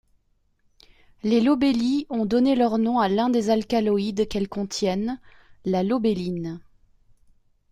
Les lobélies ont donné leur nom à l'un des alcaloïdes qu'elles contiennent, la lobéline.